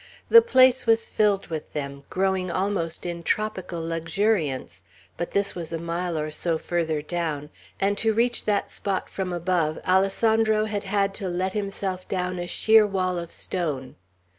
The place was filled with them, growing almost in tropical luxuriance; but this was a mile or so farther down, and to reach that spot from above, Alessandro had had to let himself down a sheer wall of stone.